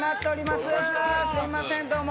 すいませんどうも。